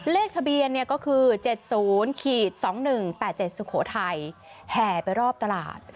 เลขทะเบียนก็คือ๗๐๒๑๘๗สุโขทัยแห่ไปรอบตลาด